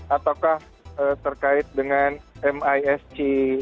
ataukah terkait dengan misg